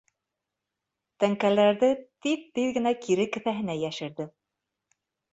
Тәңкәләрҙе тиҙ-тиҙ генә кире кеҫәһенә йәшерҙе.